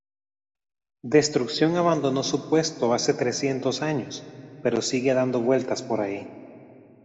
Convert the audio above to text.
Destrucción abandonó su puesto hace trescientos años pero sigue dando vueltas por ahí.